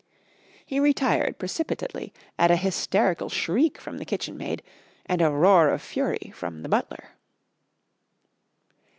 He retired precipitately at a hysterical shriek from the kitchen maid and a roar of fury from the butler.